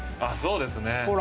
そうですね。